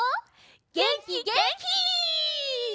げんきげんき！